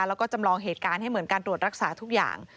แล้วก็จำลองเหตุการณ์ให้เหมือนการตรวจรักษาทุกอย่าง